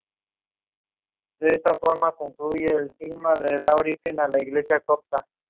Por otra parte, la radiación infrarroja, emitida por el propio planeta hacia el espacio.